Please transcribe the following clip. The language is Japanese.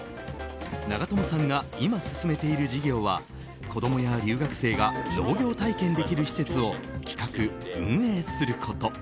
長友さんが今進めている事業は子供や留学生が農業体験できる施設を企画・運営すること。